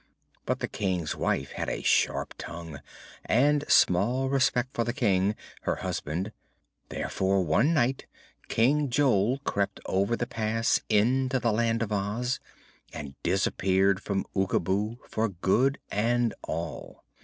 But the King's wife had a sharp tongue and small respect for the King, her husband; therefore one night King Jol crept over the pass into the Land of Oz and disappeared from Oogaboo for good and all.